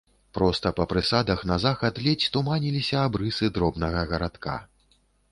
Проста па прысадах на захад ледзь туманіліся абрысы дробнага гарадка.